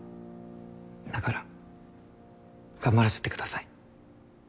だから頑張らせてください。